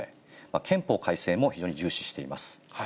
憲法改正も非常に重視しています。